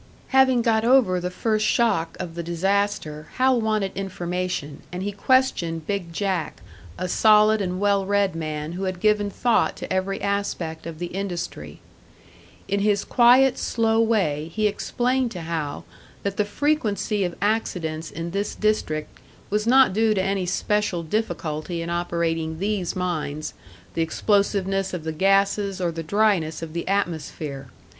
Having got over the first shock of the disaster, Hal wanted information, and he questioned Big Jack, a solid and well read man who had given thought to every aspect of the industry. In his quiet, slow way, he explained to Hal that the frequency of accidents in this district was not due to any special difficulty in operating these mines, the explosiveness of the gases or the dryness of the atmosphere.